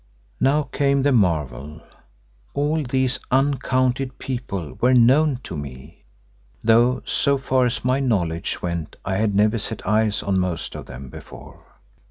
Now came the marvel; all these uncounted people were known to me, though so far as my knowledge went I had never set eyes on most of them before.